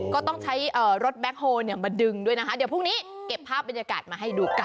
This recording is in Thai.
ก็ต้องใช้รถแบ็คโฮลมาดึงด้วยนะคะเดี๋ยวพรุ่งนี้เก็บภาพบรรยากาศมาให้ดูกัน